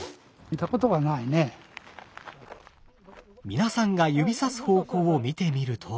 皆さんが指さす方向を見てみると。